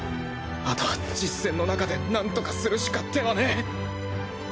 あとは実戦の中でなんとかするしか手はねえ。